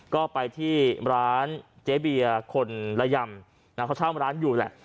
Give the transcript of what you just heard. ก็ไปที่ร้านเจ๊เบียร์คนละยำเขาเช่าร้านอยู่แหละ